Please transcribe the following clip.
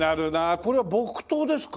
これは木刀ですか？